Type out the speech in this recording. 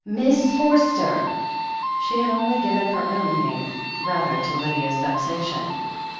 "Miss Forster!" She had only given her own name, rather to Lydia's vexation.